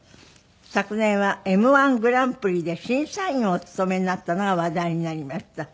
昨年はＭ−１グランプリで審査員をお務めになったのが話題になりました。